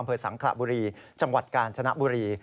สังขระบุรีจังหวัดกาญจนบุรี